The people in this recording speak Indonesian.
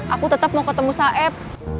aku tetap mau ketemu saib